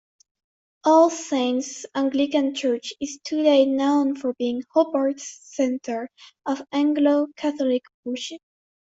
All Saints' Anglican Church is today known for being Hobart's centre of Anglo-Catholic worship.